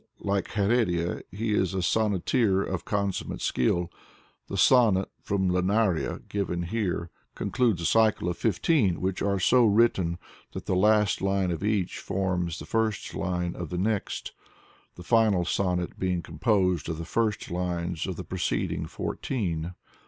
Like H6r6dia, he is a sonneteer of con summate skill. The sonnet from "Lunaria", given here, con cludes a cycle of fifteen, which are so written that the last line of each forms the first line of the next, the final sonnet being composed of the first lines of the preceding fourteen.